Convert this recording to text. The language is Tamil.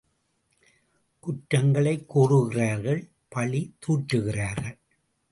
குற்றங்களைக் கூறுகிறார்கள் பழி தூற்றுகிறார்கள்.